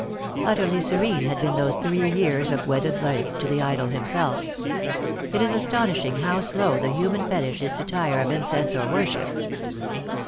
Utterly serene had been those three years of wedded life to the idol himself. It is astonishing how slow the human fetish is to tire of incense or worship.